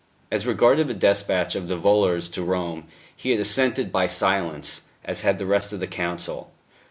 As regarded the despatch of the volors to Rome, he had assented by silence, as had the rest of the Council.